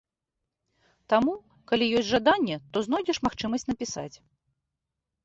Таму, калі ёсць жаданне, то знойдзеш магчымасць напісаць.